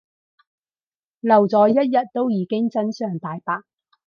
留咗一日都已經真相大白